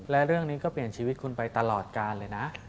และเรื่องนี้ก็เปลี่ยนชีวิตคุณไปตลอดการเลยนะ